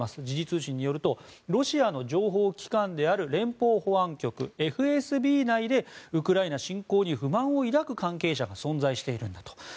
時事通信によるとロシアの情報機関である連邦保安局・ＦＳＢ内でウクライナ侵攻に不満を抱く関係者が存在しているんだと。